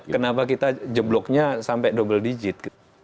kenapa kita jebloknya sampai double digit